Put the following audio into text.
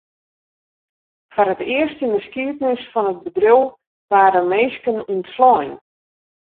Foar it earst yn 'e skiednis fan it bedriuw waarden minsken ûntslein.